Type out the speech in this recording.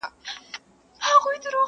چي په زړه کي څه در تېر نه سي آسمانه!!